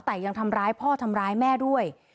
แต่ยังทำร้ายพ่อทำร้ายแม่ด้วย